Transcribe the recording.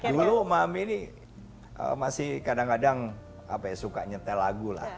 dulu mami ini masih kadang kadang suka nyetel lagu lah